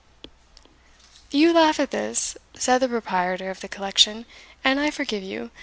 "You laugh at this," said the proprietor of the collection, "and I forgive you.